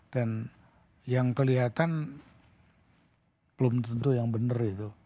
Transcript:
dan yang kelihatan belum tentu yang benar itu